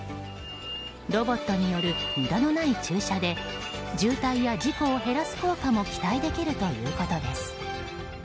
ロボットによる無駄のない駐車で渋滞や事故を減らす効果も期待できるということです。